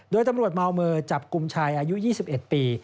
โดยตำรวจเมามือจับกลุ่มชายอายุ๒๑ปี